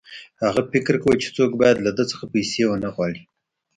هغه فکر کاوه چې څوک باید له ده څخه پیسې ونه غواړي